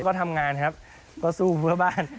ก็ทำงานครับก็สู้เพื่อบ้าน